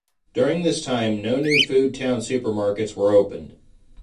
During this time no new Foodtown Supermarkets were opened.